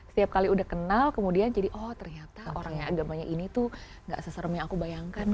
setiap kali udah kenal kemudian jadi oh ternyata orang yang agamanya ini tuh gak seserem yang aku bayangkan